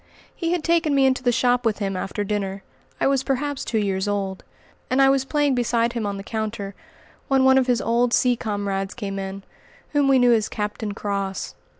He had taken me into the shop with him after dinner, I was perhaps two years old, and I was playing beside him on the counter when one of his old sea comrades came in, whom we knew as "Captain Cross."